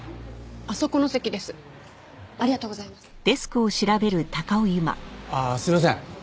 ああすいません。